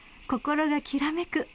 ［心がきらめく